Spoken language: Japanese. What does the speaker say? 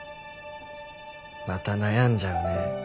また悩んじゃうね。